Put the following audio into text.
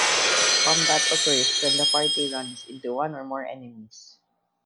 Combat occurs when the party runs into one or more enemies.